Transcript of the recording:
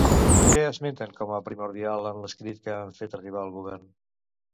Què esmenten com a primordial en l'escrit que han fet arribar al govern?